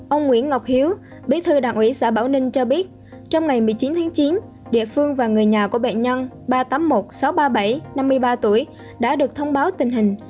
ông nguyễn ngọc hiếu bí thư đảng ủy xã bảo ninh cho biết trong ngày một mươi chín tháng chín địa phương và người nhà của bệnh nhân ba trăm tám mươi một sáu trăm ba mươi bảy năm mươi ba tuổi đã được thông báo tình hình